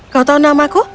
kau tahu namaku